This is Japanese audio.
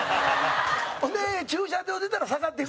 ほんで、駐車場出たら下がっていく。